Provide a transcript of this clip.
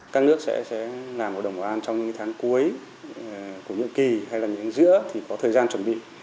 các nước sẽ làm hội đồng bảo an trong những tháng cuối của những kỳ hay là những giữa thì có thời gian chuẩn bị